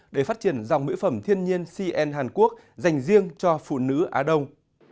để phát triển dòng mỹ phẩm thiên nhiên cn hàn quốc dành riêng cho phụ nữ á đông